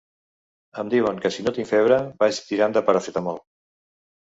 Em diuen que si no tinc febre, vagi tirant de paracetamol.